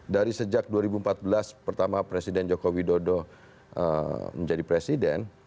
dari sejak dua ribu empat belas pertama presiden joko widodo menjadi presiden